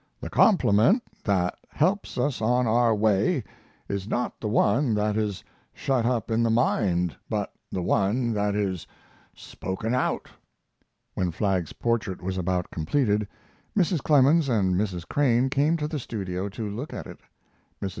"The compliment that helps us on our way is not the one that is shut up in the mind, but the one that is spoken out." When Flagg's portrait was about completed, Mrs. Clemens and Mrs. Crane came to the studio to look at it. Mrs.